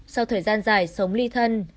sau thời gian dài sống ly thân